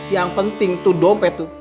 yang penting tuh dompet tuh